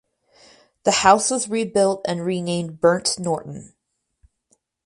The house was rebuilt and renamed Burnt Norton.